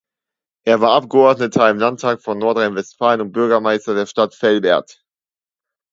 Er war Abgeordneter im Landtag von Nordrhein-Westfalen und Bürgermeister der Stadt Velbert.